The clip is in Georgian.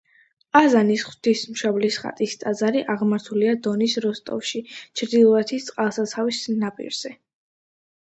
ყაზანის ღვთისმშობლის ხატის ტაძარი აღმართულია დონის როსტოვში ჩრდილოეთის წყალსაცავის ნაპირზე.